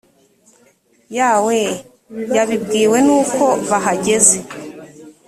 yawe yabibwiwe nuko bahageze